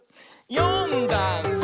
「よんだんす」